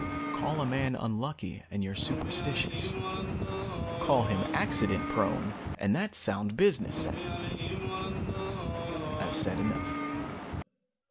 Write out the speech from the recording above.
Call a man unlucky and you're superstitious. Call him accident prone and that's sound business sense. I've said enough.